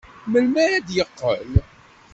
Melmi ara d-yeqqel?